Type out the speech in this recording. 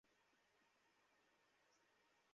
তোমার seat belt কি বাঁধা আছে?